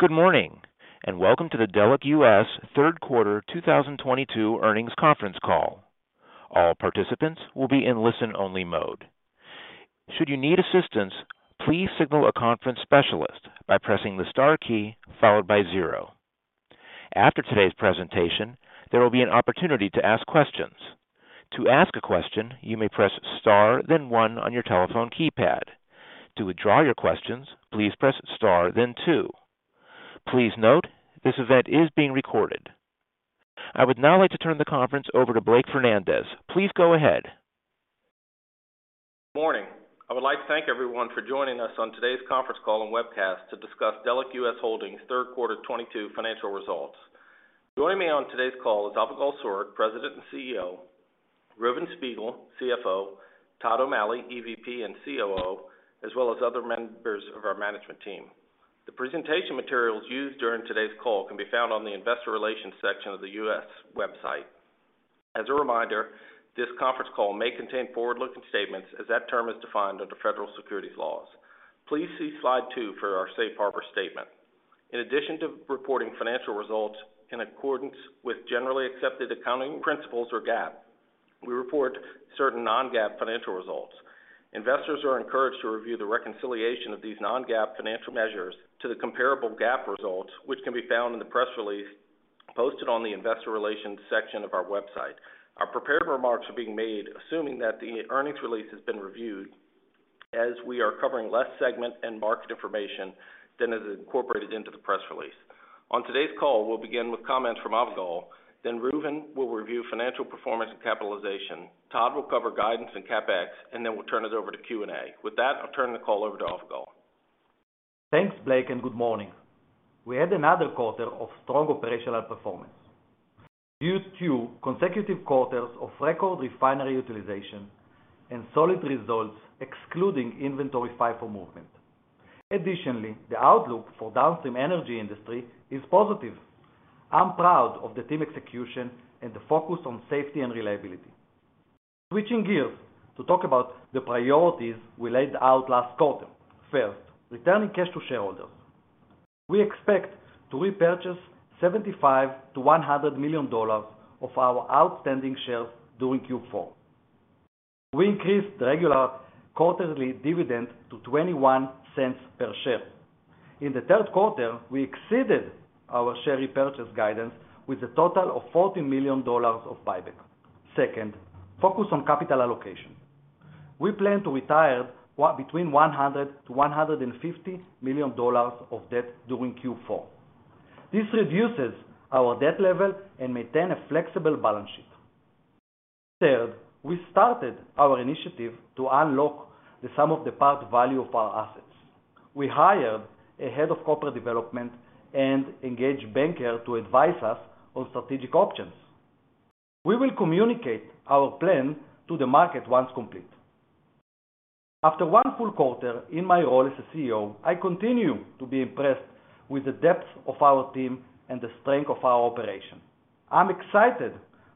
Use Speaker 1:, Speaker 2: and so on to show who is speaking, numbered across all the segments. Speaker 1: Good morning, and welcome to the Delek US third quarter 2022 earnings conference call. All participants will be in listen-only mode. Should you need assistance, please signal a conference specialist by pressing the star key followed by zero. After today's presentation, there will be an opportunity to ask questions. To ask a question, you may press star then one on your telephone keypad. To withdraw your questions, please press star then two. Please note, this event is being recorded. I would now like to turn the conference over to Blake Fernandez. Please go ahead.
Speaker 2: Morning. I would like to thank everyone for joining us on today's conference call and webcast to discuss Delek US Holdings third quarter 2022 financial results. Joining me on today's call is Avigal Soreq, President and CEO, Reuven Spiegel, CFO, Todd O'Malley, EVP and COO, as well as other members of our management team. The presentation materials used during today's call can be found on the investor relations section of the Delek US website. As a reminder, this conference call may contain forward-looking statements as that term is defined under federal securities laws. Please see slide two for our safe harbor statement. In addition to reporting financial results in accordance with generally accepted accounting principles or GAAP, we report certain non-GAAP financial results. Investors are encouraged to review the reconciliation of these non-GAAP financial measures to the comparable GAAP results, which can be found in the press release posted on the investor relations section of our website. Our prepared remarks are being made assuming that the earnings release has been reviewed as we are covering less segment and market information than is incorporated into the press release. On today's call, we'll begin with comments from Avigal, then Reuven will review financial performance and capitalization. Todd will cover guidance and CapEx, and then we'll turn it over to Q&A. With that, I'll turn the call over to Avigal.
Speaker 3: Thanks, Blake, and good morning. We had another quarter of strong operational performance. Q2 consecutive quarters of record refinery utilization and solid results excluding inventory FIFO movement. Additionally, the outlook for downstream energy industry is positive. I'm proud of the team execution and the focus on safety and reliability. Switching gears to talk about the priorities we laid out last quarter. First, returning cash to shareholders. We expect to repurchase $75 million-$100 million of our outstanding shares during Q4. We increased the regular quarterly dividend to $0.21 per share. In the third quarter, we exceeded our share repurchase guidance with a total of $40 million of buyback. Second, focus on capital allocation. We plan to retire between $100 million-$150 million of debt during Q4. This reduces our debt level and maintain a flexible balance sheet. Third, we started our initiative to unlock the sum of the parts value of our assets. We hired a head of corporate development and engaged a banker to advise us on strategic options. We will communicate our plan to the market once complete. After one full quarter in my role as a CEO, I continue to be impressed with the depth of our team and the strength of our operation. I'm excited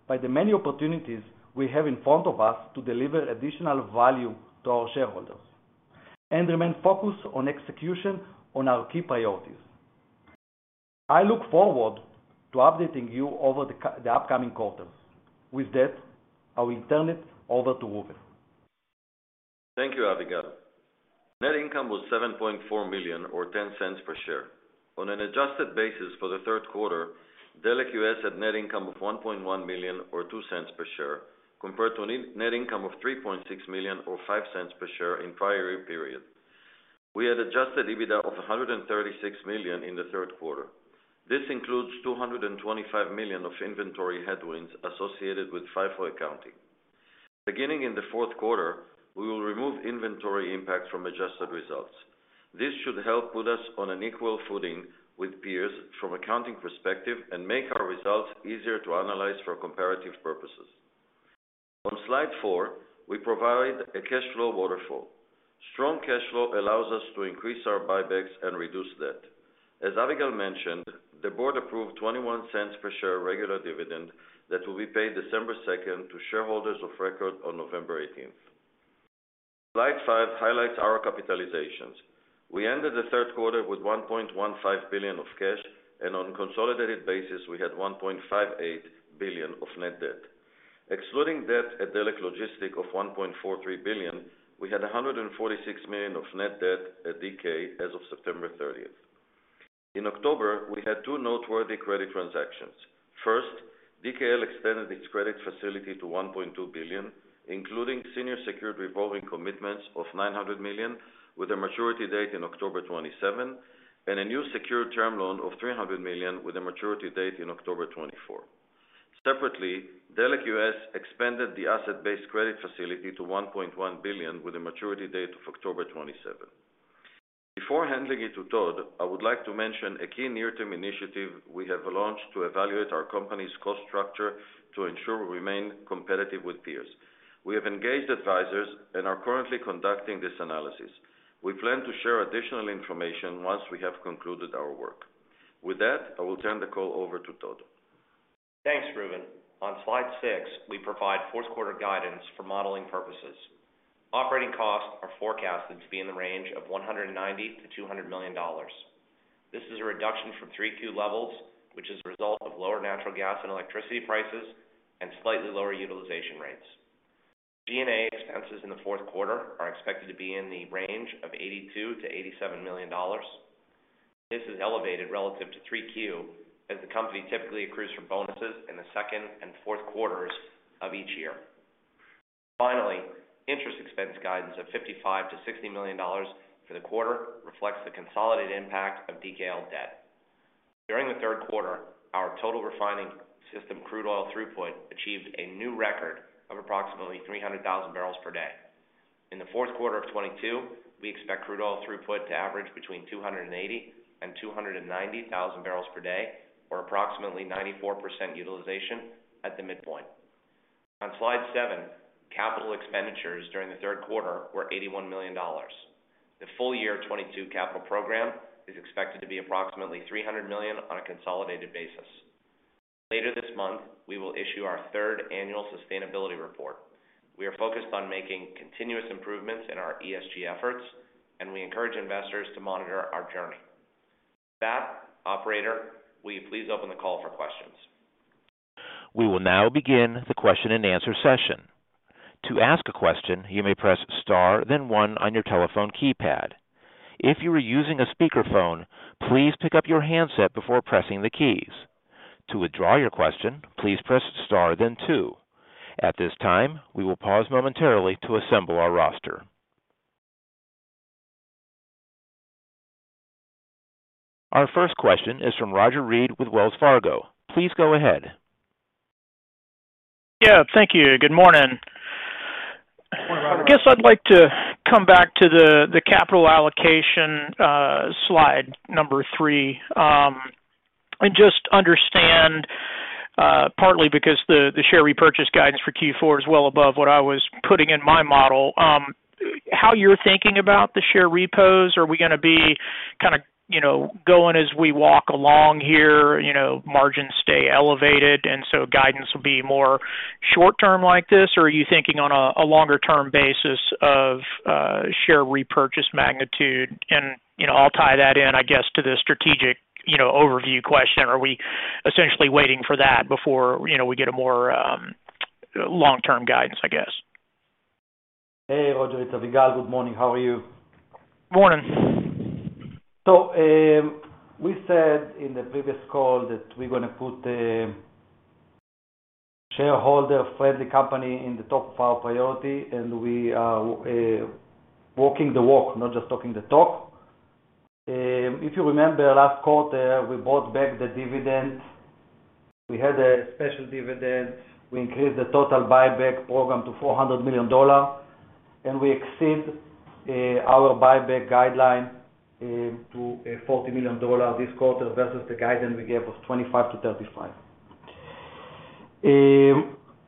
Speaker 3: by the many opportunities we have in front of us to deliver additional value to our shareholders and remain focused on execution on our key priorities. I look forward to updating you over the upcoming quarters. With that, I will turn it over to Reuven.
Speaker 4: Thank you, Avigal. Net income was $7.4 million or $0.10 per share. On an adjusted basis for the third quarter, Delek US had net income of $1.1 million or $0.02 per share, compared to net income of $3.6 million or $0.05 per share in prior year period. We had adjusted EBITDA of $136 million in the third quarter. This includes $225 million of inventory headwinds associated with FIFO accounting. Beginning in the fourth quarter, we will remove inventory impact from adjusted results. This should help put us on an equal footing with peers from accounting perspective and make our results easier to analyze for comparative purposes. On slide four, we provide a cash flow waterfall. Strong cash flow allows us to increase our buybacks and reduce debt. As Avigal mentioned, the board approved $0.21 per share regular dividend that will be paid December 2nd to shareholders of record on November 18th. Slide five highlights our capitalizations. We ended the third quarter with $1.15 billion of cash, and on consolidated basis, we had $1.58 billion of net debt. Excluding debt at Delek Logistics of $1.43 billion, we had $146 million of net debt at DK as of September 30th. In October, we had two noteworthy credit transactions. First, DKL extended its credit facility to $1.2 billion, including senior secured revolving commitments of $900 million with a maturity date in October 2027, and a new secured term loan of $300 million with a maturity date in October 2024. Separately, Delek US expanded the asset-based credit facility to $1.1 billion with a maturity date of October 27. Before handing it to Todd, I would like to mention a key near-term initiative we have launched to evaluate our company's cost structure to ensure we remain competitive with peers. We have engaged advisors and are currently conducting this analysis. We plan to share additional information once we have concluded our work. With that, I will turn the call over to Todd.
Speaker 5: Thanks, Reuven. On slide six, we provide fourth quarter guidance for modeling purposes. Operating costs are forecasted to be in the range of $190 million-$200 million. This is a reduction from 3Q levels, which is a result of lower natural gas and electricity prices and slightly lower utilization rates. G&A expenses in the fourth quarter are expected to be in the range of $82 million-$87 million. This is elevated relative to 3Q, as the company typically accrues for bonuses in the second and fourth quarters of each year. Finally, interest expense guidance of $55 million-$60 million for the quarter reflects the consolidated impact of DKL debt. During the third quarter, our total refining system crude oil throughput achieved a new record of approximately 300,000 bbl per day. In the fourth quarter of 2022, we expect crude oil throughput to average between 280,000 and 290,000 bbl per day, or approximately 94% utilization at the midpoint. On slide seven, capital expenditures during the third quarter were $81 million. The full year 2022 capital program is expected to be approximately $300 million on a consolidated basis. Later this month, we will issue our third annual sustainability report. We are focused on making continuous improvements in our ESG efforts, and we encourage investors to monitor our journey. With that, operator, will you please open the call for questions?
Speaker 1: We will now begin the Q&A session. To ask a question, you may press star, then one on your telephone keypad. If you are using a speakerphone, please pick up your handset before pressing the keys. To withdraw your question, please press star then two. At this time, we will pause momentarily to assemble our roster. Our first question is from Roger Read with Wells Fargo. Please go ahead.
Speaker 6: Yeah, thank you. Good morning. I guess I'd like to come back to the capital allocation slide number three. I just want to understand partly because the share repurchase guidance for Q4 is well above what I was putting in my model how you're thinking about the share repos. Are we gonna be kinda you know going as we walk along here you know margins stay elevated and so guidance will be more short-term like this? Or are you thinking on a longer-term basis of share repurchase magnitude? You know I'll tie that in I guess to the strategic overview question. Are we essentially waiting for that before you know we get a more long-term guidance I guess?
Speaker 3: Hey, Roger. It's Avigal. Good morning. How are you?
Speaker 6: Morning.
Speaker 3: We said in the previous call that we're gonna put a shareholder-friendly company in the top of our priority, and we are walking the walk, not just talking the talk. If you remember last quarter, we bought back the dividends. We had a special dividends. We increased the total buyback program to $400 million, and we exceed our buyback guideline to $40 million this quarter versus the guidance we gave of 25-35.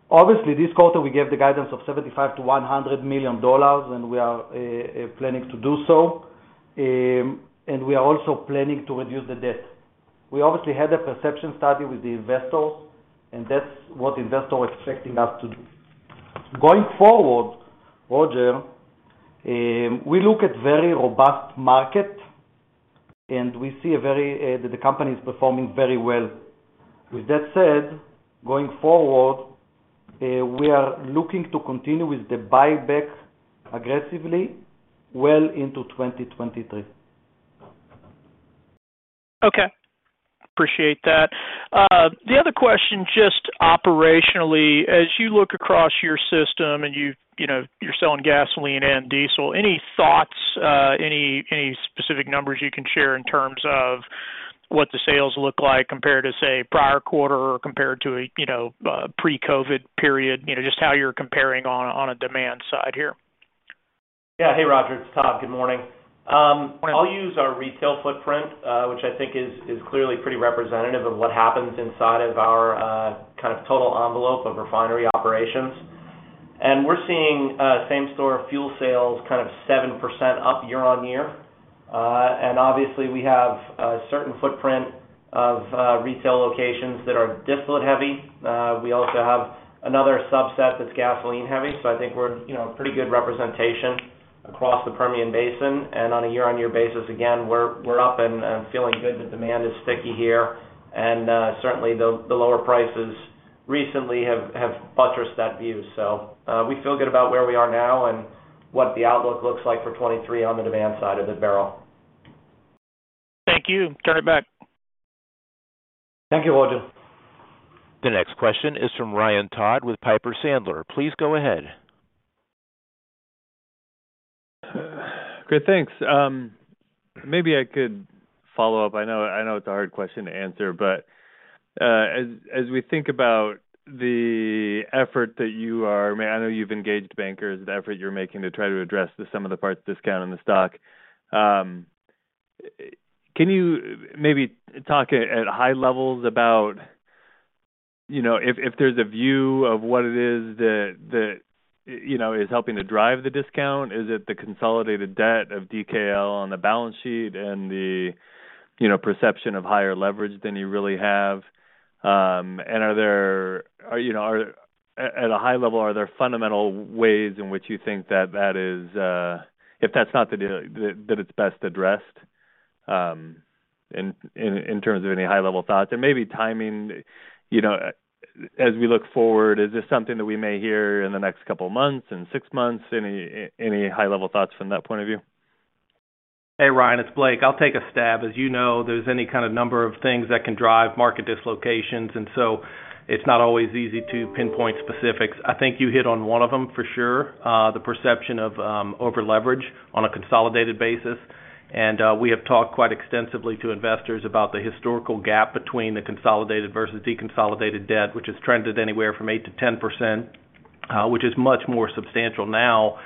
Speaker 3: Obviously, this quarter, we gave the guidance of $75 million-$100 million, and we are planning to do so. And we are also planning to reduce the debt. We obviously had a perception study with the investors, and that's what investors are expecting us to do. Going forward, Roger, we look at very robust market, and we see a very. The company is performing very well. With that said, going forward, we are looking to continue with the buyback aggressively well into 2023.
Speaker 6: Okay. Appreciate that. The other question, just operationally, as you look across your system and you know, you're selling gasoline and diesel, any thoughts, any specific numbers you can share in terms of what the sales look like compared to, say, prior quarter or compared to, you know, pre-COVID period? You know, just how you're comparing on a demand side here.
Speaker 5: Yeah. Hey, Roger. It's Todd. Good morning. I'll use our retail footprint, which I think is clearly pretty representative of what happens inside of our kind of total envelope of refinery operations. We're seeing same store fuel sales kind of 7% up year-on-year. Obviously, we have a certain footprint of retail locations that are distillate heavy. We also have another subset that's gasoline heavy. I think we're, you know, pretty good representation across the Permian Basin. On a year-on-year basis, again, we're up and feeling good that demand is sticky here. Certainly, the lower prices recently have buttressed that view. We feel good about where we are now and what the outlook looks like for 2023 on the demand side of the barrel.
Speaker 6: Thank you. Turn it back.
Speaker 3: Thank you, Roger.
Speaker 1: The next question is from Ryan Todd with Piper Sandler. Please go ahead.
Speaker 7: Great. Thanks. Maybe I could follow up. I know it's a hard question to answer, but as we think about the effort. I mean, I know you've engaged bankers, the effort you're making to try to address the sum of the parts discount on the stock. Can you maybe talk at high levels about, you know, if there's a view of what it is that you know, is helping to drive the discount? Is it the consolidated debt of DKL on the balance sheet and the, you know, perception of higher leverage than you really have? Are there fundamental ways in which you think that is, if that's not the, that it's best addressed, in terms of any high-level thoughts? Maybe timing, you know, as we look forward, is this something that we may hear in the next couple of months, in six months? Any high-level thoughts from that point of view?
Speaker 2: Hey, Ryan, it's Blake. I'll take a stab. As you know, there's any number of things that can drive market dislocations, and so it's not always easy to pinpoint specifics. I think you hit on one of them for sure, the perception of over-leverage on a consolidated basis. We have talked quite extensively to investors about the historical gap between the consolidated versus deconsolidated debt, which has trended anywhere from 8%-10%, which is much more substantial now,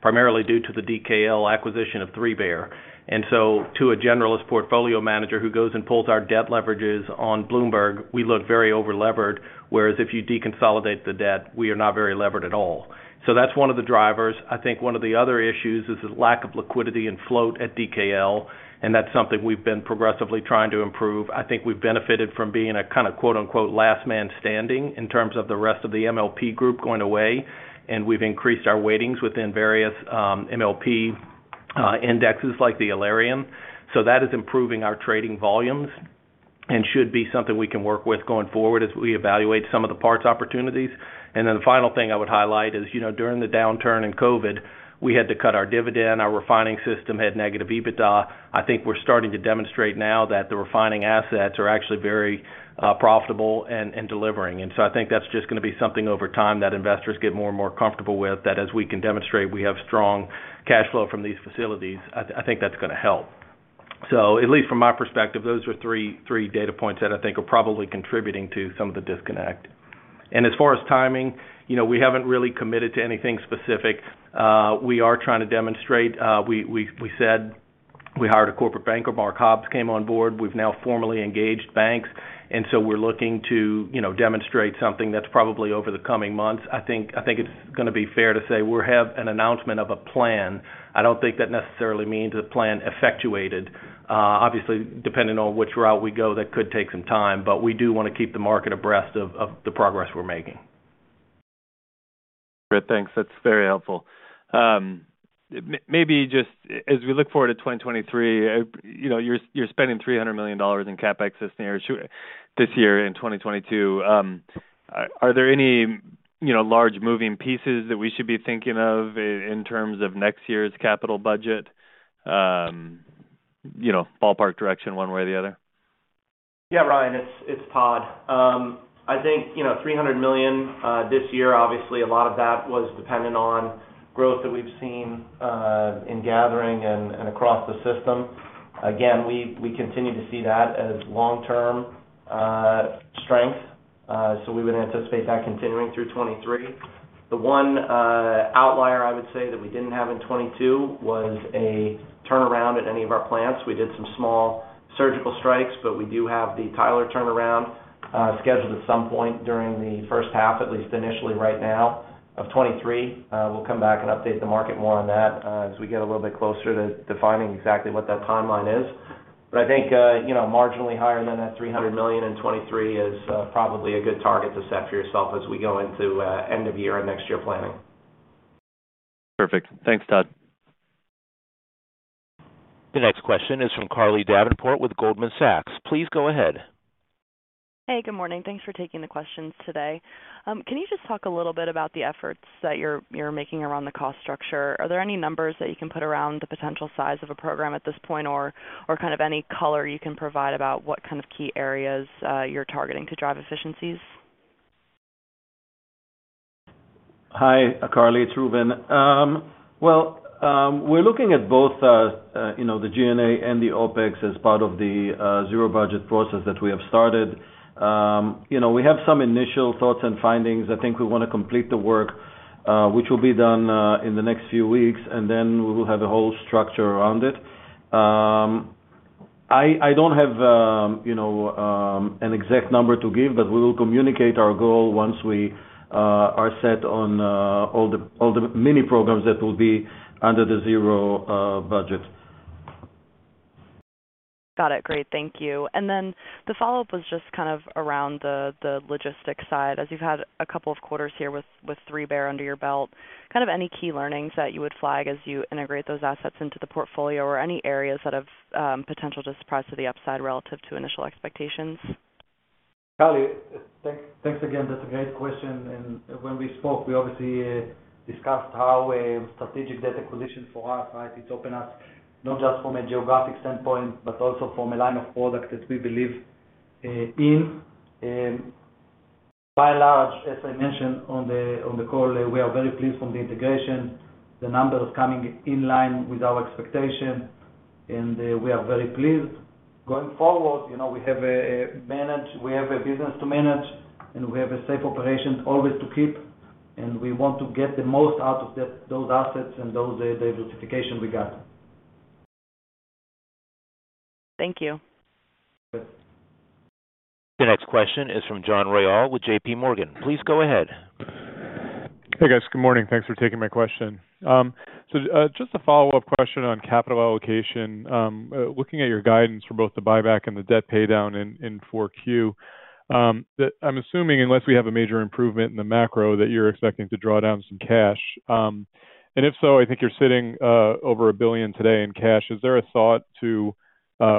Speaker 2: primarily due to the DKL acquisition of 3Bear. To a generalist portfolio manager who goes and pulls our debt leverages on Bloomberg, we look very over-levered, whereas if you deconsolidate the debt, we are not very levered at all. That's one of the drivers. I think one of the other issues is the lack of liquidity and float at DKL, and that's something we've been progressively trying to improve. I think we've benefited from being a kind of quote-unquote last man standing in terms of the rest of the MLP group going away, and we've increased our weightings within various, MLP, indexes like the Alerian. That is improving our trading volumes and should be something we can work with going forward as we evaluate some of the parts opportunities. The final thing I would highlight is, you know, during the downturn in COVID, we had to cut our dividend, our refining system had negative EBITDA. I think we're starting to demonstrate now that the refining assets are actually very profitable and delivering. I think that's just gonna be something over time that investors get more and more comfortable with, that as we can demonstrate we have strong cash flow from these facilities, I think that's gonna help. At least from my perspective, those are three data points that I think are probably contributing to some of the disconnect. As far as timing, we haven't really committed to anything specific. We are trying to demonstrate, we said we hired a corporate banker, Mark Hobbs came on board. We've now formally engaged banks, and we're looking to demonstrate something that's probably over the coming months. I think it's gonna be fair to say we'll have an announcement of a plan. I don't think that necessarily means a plan effectuated. Obviously, depending on which route we go, that could take some time. We do wanna keep the market abreast of the progress we're making.
Speaker 7: Great. Thanks. That's very helpful. Maybe just as we look forward to 2023, you know, you're spending $300 million in CapEx this year in 2022. Are there any, you know, large moving pieces that we should be thinking of in terms of next year's capital budget, you know, ballpark direction one way or the other?
Speaker 5: Yeah, Ryan, it's Todd. I think, you know, $300 million this year, obviously, a lot of that was dependent on growth that we've seen in gathering and across the system. Again, we continue to see that as long-term strength, so we would anticipate that continuing through 2023. The one outlier I would say that we didn't have in 2022 was a turnaround at any of our plants. We did some small surgical strikes, but we do have the Tyler turnaround scheduled at some point during the first half, at least initially right now, of 2023. We'll come back and update the market more on that as we get a little bit closer to defining exactly what that timeline is. I think, you know, marginally higher than that $300 million in 2023 is probably a good target to set for yourself as we go into end of year and next year planning.
Speaker 7: Perfect. Thanks, Todd.
Speaker 1: The next question is from Carly Davenport with Goldman Sachs. Please go ahead.
Speaker 8: Hey, good morning. Thanks for taking the questions today. Can you just talk a little bit about the efforts that you're making around the cost structure? Are there any numbers that you can put around the potential size of a program at this point, or kind of any color you can provide about what kind of key areas you're targeting to drive efficiencies?
Speaker 4: Hi, Carly, it's Reuven. Well, we're looking at both, you know, the G&A and the OpEx as part of the zero budget process that we have started. You know, we have some initial thoughts and findings. I think we wanna complete the work, which will be done in the next few weeks, and then we will have a whole structure around it. I don't have, you know, an exact number to give, but we will communicate our goal once we are set on all the many programs that will be under the zero budget.
Speaker 8: Got it. Great. Thank you. The follow-up was just kind of around the logistics side. As you've had a couple of quarters here with 3Bear under your belt, kind of any key learnings that you would flag as you integrate those assets into the portfolio or any areas that have potential to surprise to the upside relative to initial expectations?
Speaker 3: Carly, thanks again. That's a great question. When we spoke, we obviously discussed how a strategic debt acquisition for us, right, it's opened us not just from a geographic standpoint, but also from a line of product that we believe in. By and large, as I mentioned on the call, we are very pleased from the integration. The numbers coming in line with our expectation, and we are very pleased. Going forward, you know, we have a business to manage, and we have a safe operation always to keep, and we want to get the most out of those assets and the justification we got.
Speaker 8: Thank you.
Speaker 1: The next question is from John Royall with JPMorgan. Please go ahead.
Speaker 9: Hey, guys. Good morning. Thanks for taking my question. Just a follow-up question on capital allocation. Looking at your guidance for both the buyback and the debt pay down in 4Q, I'm assuming unless we have a major improvement in the macro that you're expecting to draw down some cash. And if so, I think you're sitting over billion today in cash. Is there a thought to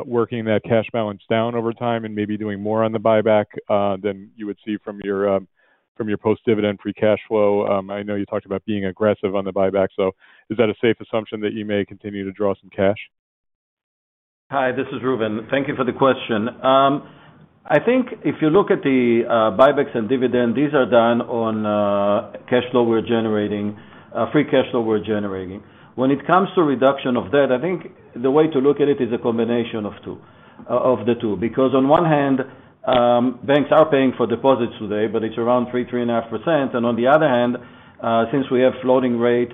Speaker 9: working that cash balance down over time and maybe doing more on the buyback than you would see from your post-dividend free cash flow? I know you talked about being aggressive on the buyback, so is that a safe assumption that you may continue to draw some cash?
Speaker 4: Hi, this is Reuven. Thank you for the question. I think if you look at the buybacks and dividend, these are done on free cash flow we're generating. When it comes to reduction of debt, I think the way to look at it is a combination of the two. Because on one hand, banks are paying for deposits today, but it's around 3.5%. On the other hand, since we have floating rate,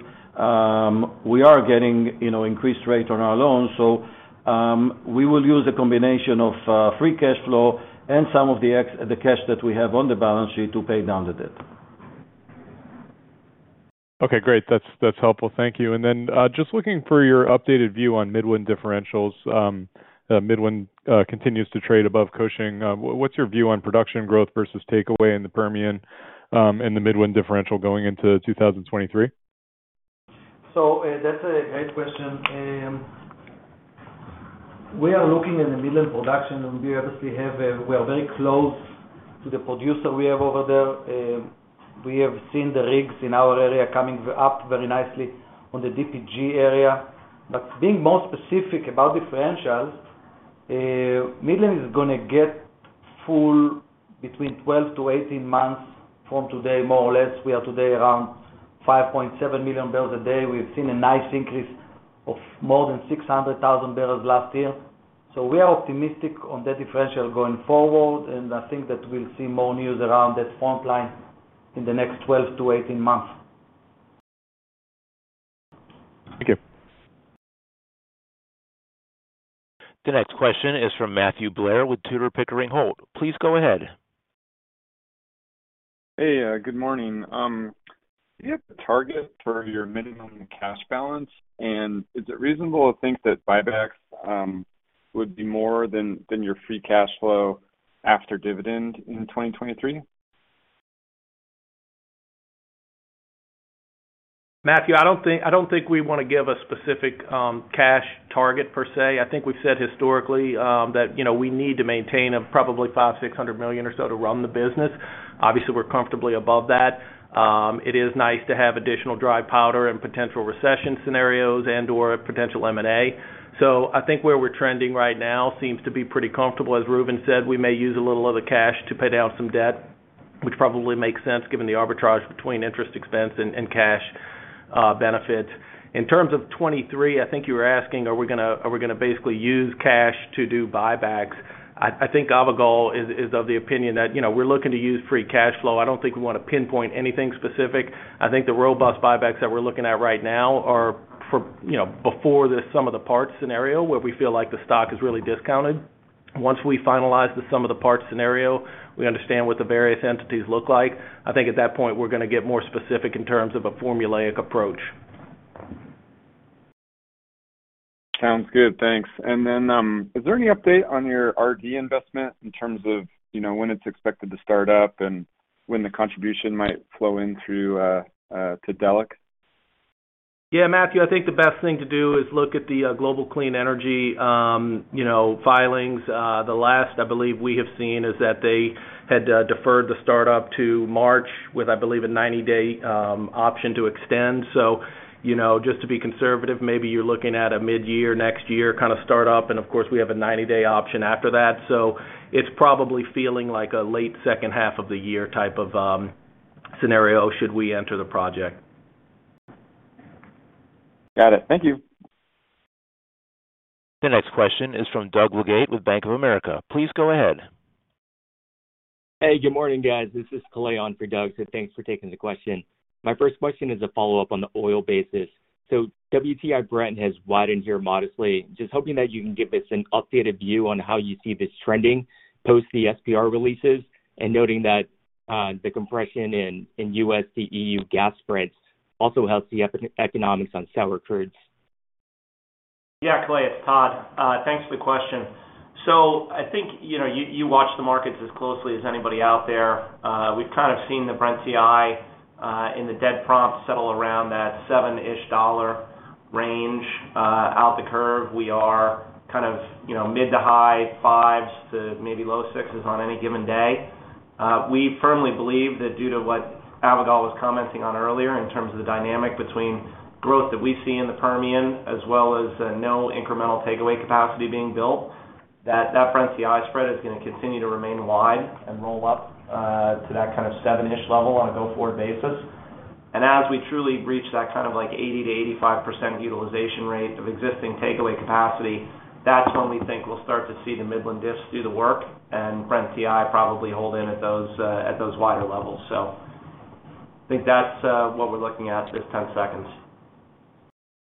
Speaker 4: we are getting, you know, increased rate on our loans. We will use a combination of free cash flow and some of the cash that we have on the balance sheet to pay down the debt.
Speaker 9: Okay, great. That's helpful. Thank you. Just looking for your updated view on Midland differentials. Midland continues to trade above Cushing. What's your view on production growth versus takeaway in the Permian, and the Midland differential going into 2023?
Speaker 3: That's a great question. We are looking in the Midland production, and we obviously have—we are very close to the producer we have over there. We have seen the rigs in our area coming up very nicely on the DPG area. Being more specific about differentials, Midland is gonna get full between 12 months-18 months from today, more or less. We are today around 5.7 million bbl a day. We've seen a nice increase of more than 600,000 bbl last year. We are optimistic on that differential going forward, and I think that we'll see more news around that frontline in the next 12 months-18 months.
Speaker 9: Thank you.
Speaker 1: The next question is from Matthew Blair with Tudor, Pickering, Holt. Please go ahead.
Speaker 10: Hey, good morning. Do you have a target for your minimum cash balance? Is it reasonable to think that buybacks would be more than your free cash flow after dividend in 2023?
Speaker 2: Matthew, I don't think we wanna give a specific cash target per se. I think we've said historically that you know we need to maintain a probably $500 million-$600 million or so to run the business. Obviously, we're comfortably above that. It is nice to have additional dry powder and potential recession scenarios and/or potential M&A. I think where we're trending right now seems to be pretty comfortable. As Reuven said, we may use a little of the cash to pay down some debt, which probably makes sense given the arbitrage between interest expense and cash benefit. In terms of 2023, I think you were asking, are we gonna basically use cash to do buybacks? I think Avigal is of the opinion that you know we're looking to use free cash flow. I don't think we wanna pinpoint anything specific. I think the robust buybacks that we're looking at right now are for, you know, before this sum of the parts scenario where we feel like the stock is really discounted. Once we finalize the sum of the parts scenario, we understand what the various entities look like. I think at that point, we're gonna get more specific in terms of a formulaic approach.
Speaker 10: Sounds good. Thanks. Is there any update on your RD investment in terms of, you know, when it's expected to start up and when the contribution might flow in through to Delek?
Speaker 2: Yeah. Matthew, I think the best thing to do is look at the Global Clean Energy filings. The last I believe we have seen is that they had deferred the start up to March with, I believe, a 90-day option to extend. You know, just to be conservative, maybe you're looking at a mid-year, next year kind of start up, and of course, we have a 90-day option after that. It's probably feeling like a late second half of the year type of scenario should we enter the project.
Speaker 10: Got it. Thank you.
Speaker 1: The next question is from Doug Legate with Bank of America. Please go ahead.
Speaker 11: Hey. Good morning, guys. This is Kalei for Doug. Thanks for taking the question. My first question is a follow-up on the oil basis. WTI Brent has widened here modestly. Just hoping that you can give us an updated view on how you see this trending post the SPR releases and noting that, the compression in U.S. to E.U. gas spreads also helps the economics on [seller crude].
Speaker 5: Yeah, Kalei, it's Todd. Thanks for the question. I think, you know, you watch the markets as closely as anybody out there. We've kind of seen the Brent-WTI, in the prompt settle around that $7-ish range, out the curve. We are kind of, you know, mid to high fives to maybe low sixes on any given day. We firmly believe that due to what Avigal was commenting on earlier in terms of the dynamic between growth that we see in the Permian as well as no incremental takeaway capacity being built, that Brent-WTI spread is gonna continue to remain wide and roll up to that kind of $7-ish level on a go-forward basis. As we truly reach that kind of, like, 80%-85% utilization rate of existing takeaway capacity, that's when we think we'll start to see the Midland diffs do the work and Brent-WTI probably hold in at those wider levels. I think that's what we're looking at is 10 seconds.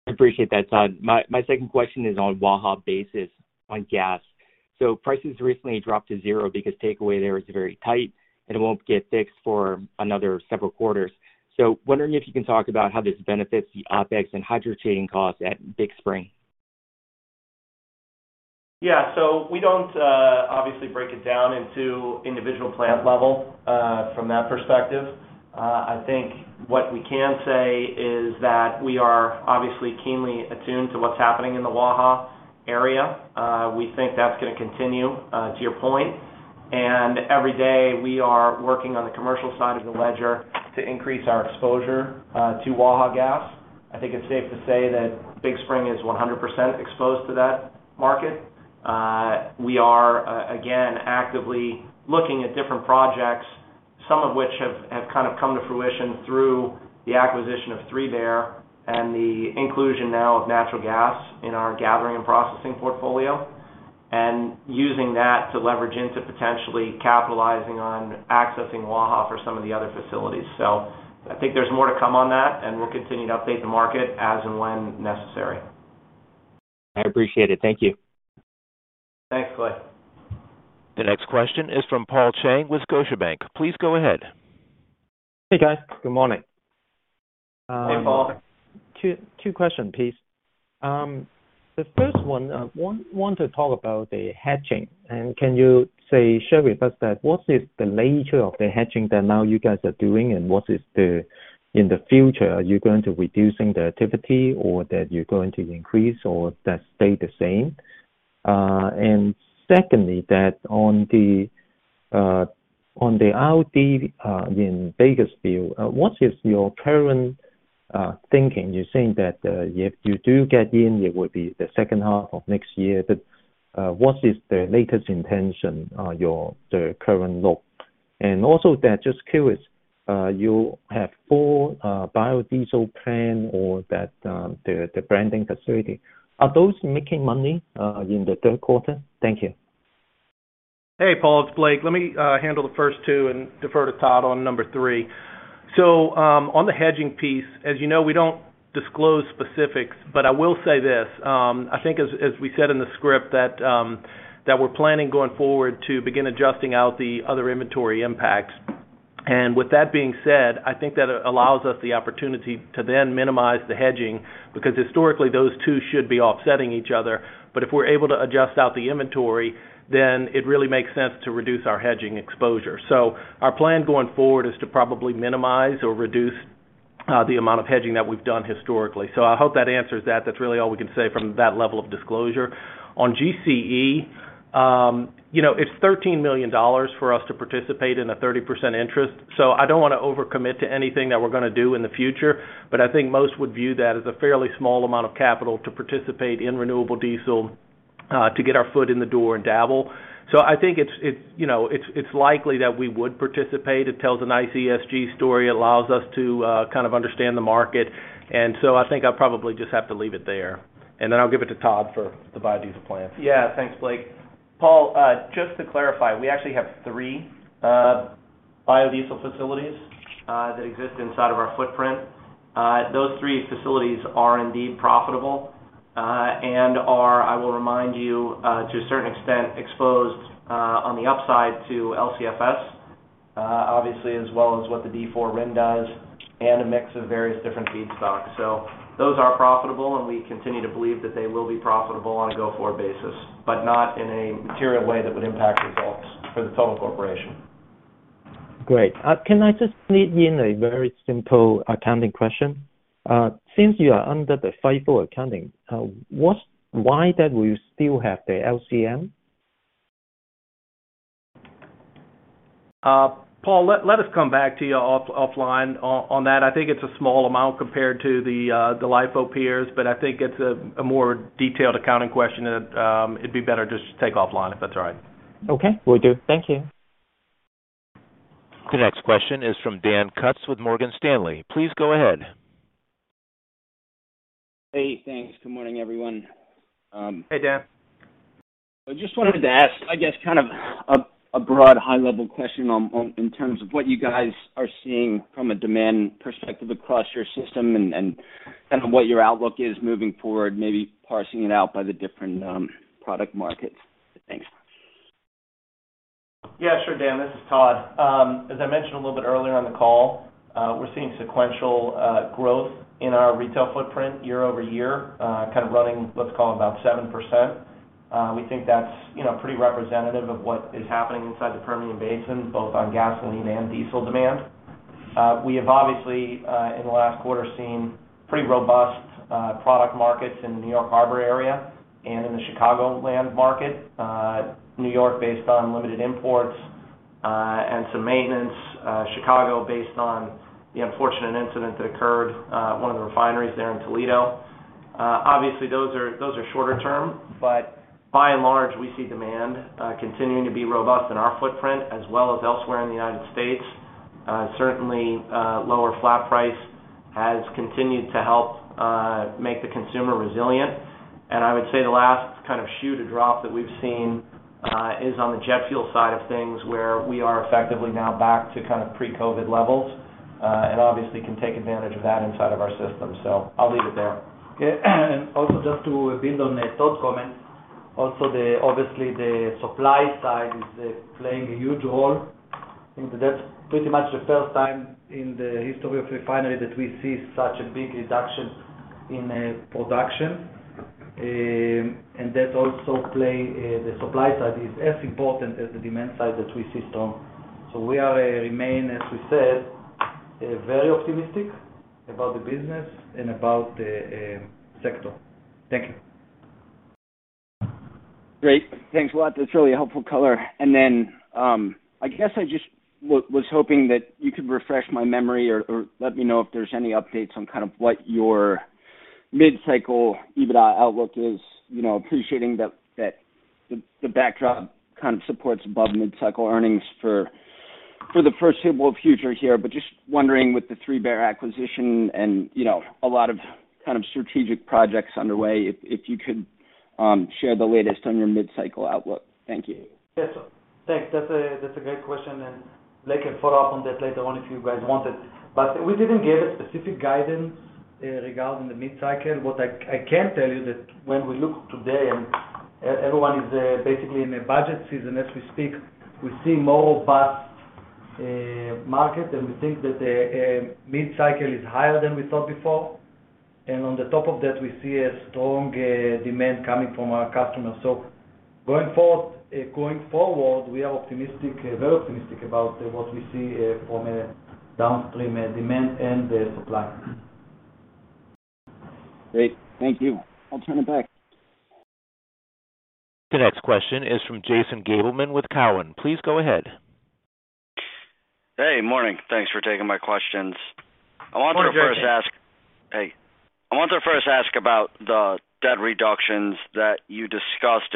Speaker 11: I appreciate that, Todd. My second question is on Waha basis on gas. Prices recently dropped to zero because takeaway there is very tight and it won't get fixed for another several quarters. Wondering if you can talk about how this benefits the OpEx and hydro treating costs at Big Spring.
Speaker 5: Yeah. We don't obviously break it down into individual plant level from that perspective. I think what we can say is that we are obviously keenly attuned to what's happening in the Waha area. We think that's gonna continue to your point. Every day, we are working on the commercial side of the ledger to increase our exposure to Waha gas. I think it's safe to say that Big Spring is 100% exposed to that market. We are again actively looking at different projects, some of which have kind of come to fruition through the acquisition of 3Bear and the inclusion now of natural gas in our gathering and processing portfolio, and using that to leverage into potentially capitalizing on accessing Waha for some of the other facilities. I think there's more to come on that, and we'll continue to update the market as and when necessary.
Speaker 11: I appreciate it. Thank you.
Speaker 5: Thanks, Kalei.
Speaker 1: The next question is from Paul Cheng with Scotiabank. Please go ahead.
Speaker 12: Hey, guys. Good morning.
Speaker 5: Hey, Paul.
Speaker 12: Two questions, please. The first one, want to talk about the hedging. Can you share with us what is the nature of the hedging that now you guys are doing, and what is in the future, are you going to reducing the activity or that you're going to increase or that stay the same? Secondly, on the RD in Bakersfield, what is your current thinking? You're saying that if you do get in, it would be the second half of next year. What is the latest intention, the current look? Also, just curious, you have four biodiesel plants or the blending facility. Are those making money in the third quarter? Thank you.
Speaker 2: Hey, Paul, it's Blake. Let me handle the first two and defer to Todd on number three. On the hedging piece, as you know, we don't disclose specifics, but I will say this. I think as we said in the script that we're planning going forward to begin adjusting out the other inventory impacts. With that being said, I think that allows us the opportunity to then minimize the hedging, because historically, those two should be offsetting each other. If we're able to adjust out the inventory, then it really makes sense to reduce our hedging exposure. Our plan going forward is to probably minimize or reduce the amount of hedging that we've done historically. I hope that answers that. That's really all we can say from that level of disclosure. On GCE, you know, it's $13 million for us to participate in a 30% interest, so I don't wanna over-commit to anything that we're gonna do in the future. I think most would view that as a fairly small amount of capital to participate in renewable diesel, to get our foot in the door and dabble. I think it's likely that we would participate. It tells a nice ESG story. It allows us to kind of understand the market. I think I'll probably just have to leave it there. Then I'll give it to Todd for the biodiesel plants.
Speaker 5: Yeah. Thanks, Blake. Paul, just to clarify, we actually have three biodiesel facilities that exist inside of our footprint. Those three facilities are indeed profitable, and are, I will remind you, to a certain extent, exposed on the upside to LCFS, obviously, as well as what the D4 RIN does and a mix of various different feedstocks. Those are profitable, and we continue to believe that they will be profitable on a go-forward basis, but not in a material way that would impact results for the total corporation.
Speaker 12: Great. Can I just sneak in a very simple accounting question? Since you are under the FIFO accounting, why is it that we still have the LCM?
Speaker 5: Paul, let us come back to you offline on that. I think it's a small amount compared to the LIFO peers, but I think it's a more detailed accounting question and it'd be better just to take offline, if that's all right.
Speaker 12: Okay. Will do. Thank you.
Speaker 1: The next question is from Dan Kutz with Morgan Stanley. Please go ahead.
Speaker 13: Hey, thanks. Good morning, everyone.
Speaker 5: Hey, Dan.
Speaker 13: I just wanted to ask, I guess, kind of a broad high-level question on in terms of what you guys are seeing from a demand perspective across your system and kind of what your outlook is moving forward, maybe parsing it out by the different product markets. Thanks.
Speaker 5: Yeah, sure, Dan. This is Todd. As I mentioned a little bit earlier on the call, we're seeing sequential growth in our retail footprint year-over-year, kind of running, let's call, about 7%. We think that's, you know, pretty representative of what is happening inside the Permian Basin, both on gasoline and diesel demand. We have obviously, in the last quarter, seen pretty robust product markets in New York Harbor area and in the Chicagoland market. New York based on limited imports and some maintenance. Chicago based on the unfortunate incident that occurred at one of the refineries there in Toledo. Obviously, those are shorter term, but by and large, we see demand continuing to be robust in our footprint as well as elsewhere in the United States. Certainly, lower flat price has continued to help make the consumer resilient. I would say the last kind of shoe to drop that we've seen is on the jet fuel side of things where we are effectively now back to kind of pre-COVID levels, and obviously can take advantage of that inside of our system. I'll leave it there.
Speaker 3: Okay. Also just to build on Todd's comments, obviously, the supply side is playing a huge role. I think that's pretty much the first time in the history of refining that we see such a big reduction in production. That also plays. The supply side is as important as the demand side that we see strong. We remain, as we said, very optimistic about the business and about the sector. Thank you.
Speaker 13: Great. Thanks a lot. That's really helpful color. Then, I guess I just was hoping that you could refresh my memory or let me know if there's any updates on kind of what your mid-cycle EBITDA outlook is, you know, appreciating that the backdrop kind of supports above mid-cycle earnings for the foreseeable future here. But just wondering with the 3Bear Energy acquisition and, you know, a lot of kind of strategic projects underway, if you could share the latest on your mid-cycle outlook. Thank you.
Speaker 3: Yes. Thanks. That's a great question, and Blake can follow up on that later on if you guys want it. We didn't give a specific guidance regarding the mid-cycle. What I can tell you is that when we look today and everyone is basically in a budget season as we speak, we see a more robust market, and we think that the mid-cycle is higher than we thought before. On the top of that, we see a strong demand coming from our customers. Going forward, we are optimistic, very optimistic about what we see from a downstream demand and the supply.
Speaker 13: Great. Thank you. I'll turn it back.
Speaker 1: The next question is from Jason Gabelman with Cowen. Please go ahead.
Speaker 14: Hey. Morning. Thanks for taking my questions.
Speaker 4: Morning, Jason.
Speaker 14: I wanted to first ask about the debt reductions that you discussed.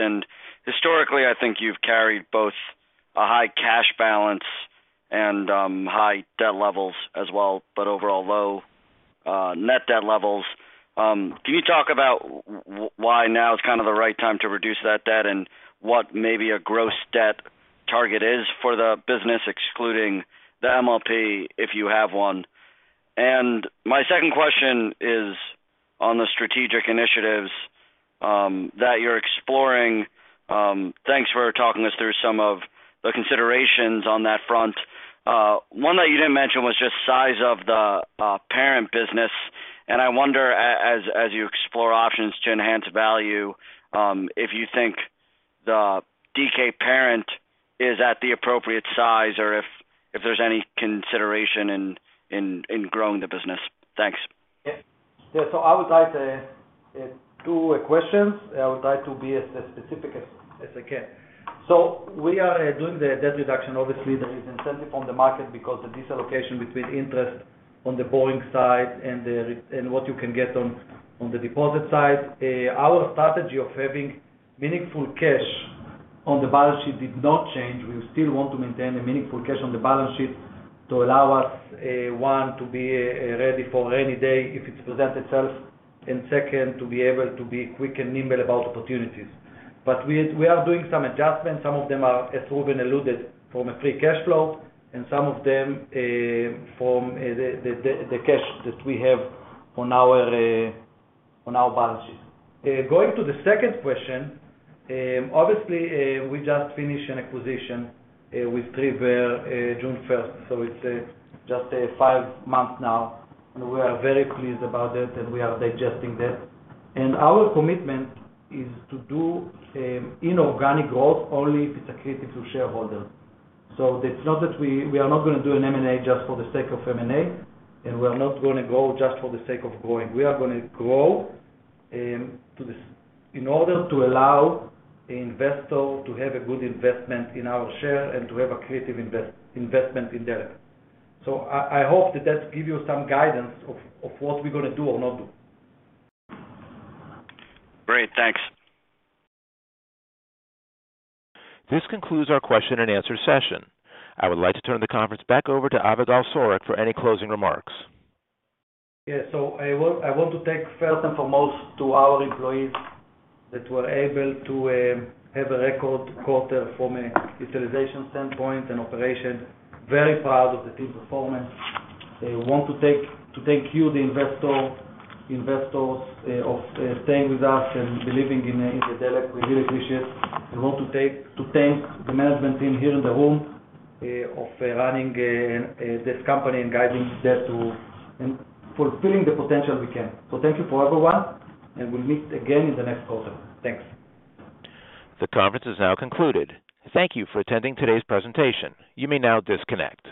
Speaker 14: Historically, I think you've carried both a high cash balance and high debt levels as well, but overall low net debt levels. Can you talk about why now is kind of the right time to reduce that debt and what maybe a gross debt target is for the business excluding the MLP, if you have one? My second question is on the strategic initiatives that you're exploring. Thanks for talking us through some of the considerations on that front. One that you didn't mention was just size of the parent business. I wonder, as you explore options to enhance value, if you think the DK parent is at the appropriate size or if there's any consideration in growing the business. Thanks.
Speaker 3: I would like to answer the two questions. I would like to be as specific as I can. We are doing the debt reduction. Obviously, there is incentive on the market because the dislocation between interest on the borrowing side and the return and what you can get on the deposit side. Our strategy of having meaningful cash on the balance sheet did not change. We still want to maintain a meaningful cash on the balance sheet to allow us one, to be ready for any day if it present itself, and second, to be able to be quick and nimble about opportunities. We are doing some adjustments. Some of them are, as Reuven alluded, from a free cash flow, and some of them from the cash that we have on our balance sheet. Going to the second question. Obviously, we just finished an acquisition with 3Bear June 1st, so it's just five months now, and we are very pleased about it, and we are digesting that. Our commitment is to do inorganic growth only if it's accretive to shareholders. It's not that we are not gonna do an M&A just for the sake of M&A, and we're not gonna grow just for the sake of growing. We are gonna grow in order to allow the investor to have a good investment in our share and to have accretive investment in Delek. I hope that gives you some guidance of what we're gonna do or not do.
Speaker 14: Great. Thanks.
Speaker 1: This concludes our question and answer session. I would like to turn the conference back over to Avigal Soreq for any closing remarks.
Speaker 3: I want to thank first and foremost our employees that were able to have a record quarter from a utilization standpoint and operation. Very proud of the team performance. We want to thank you, the investors, for staying with us and believing in Delek. We really appreciate. We want to thank the management team here in the room for running this company and guiding Delek and fulfilling the potential we can. Thank you to everyone, and we'll meet again in the next quarter. Thanks.
Speaker 1: The conference is now concluded. Thank you for attending today's presentation. You may now disconnect.